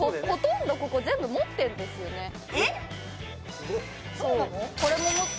ほとんどここ全部持ってんですよねえっそうなの？